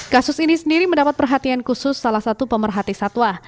kasus ini sendiri mendapat perhatian khusus salah satu pemerhati satwa